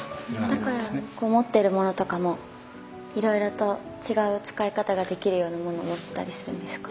だから持ってるものとかもいろいろと違う使い方ができるようなものを持ってたりするんですか？